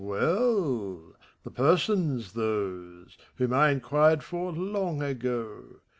Well ! The persons, those. ACT II. 81 Whom I inquired for, long ago.